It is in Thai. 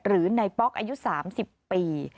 หรือในป๊อกอายุ๓๐ปี